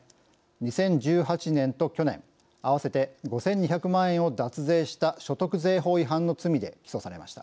２０１８年と去年合わせて５，２００万円を脱税した所得税法違反の罪で起訴されました。